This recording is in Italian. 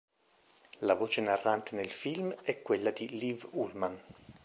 La voce narrante nel film è quella di Liv Ullmann.